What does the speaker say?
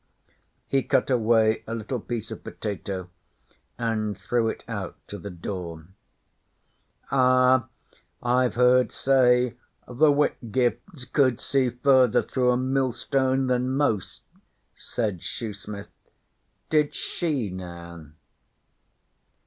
He cut away a little piece of potato and threw it out to the door. 'Ah! I've heard say the Whitgifts could see further through a millstone than most,' said Shoesmith. 'Did she, now?'